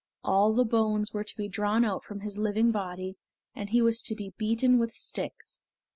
All the bones were to be drawn out from his living body, and he was to be beaten with sticks.